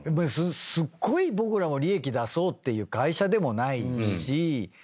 すっごい僕らも利益出そうっていう会社でもないし